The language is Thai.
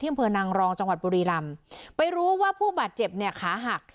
อำเภอนางรองจังหวัดบุรีรำไปรู้ว่าผู้บาดเจ็บเนี่ยขาหัก